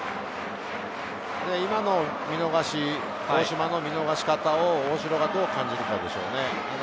今の見逃し、大島の見逃し方を大城がどう感じたでしょうかね。